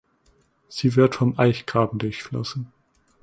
Sie wird vom Eichgraben durchflossen.